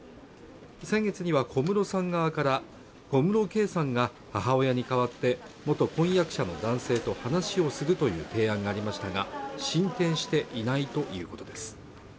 先月には小室さん側から小室圭さんが母親に代わって元婚約者の男性と話をするという提案がありましたが進展していないということです